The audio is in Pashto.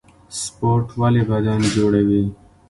سپورټ ولې بدن جوړوي؟